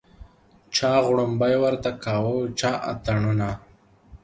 چا غړومبی ورته کاوه چا اتڼونه